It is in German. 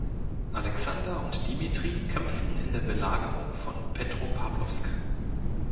Alexander und Dimitri kämpften in der Belagerung von Petropawlowsk.